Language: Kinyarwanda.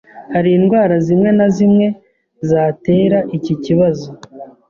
Hari indwara zimwe na zimwe zatera iki kibazo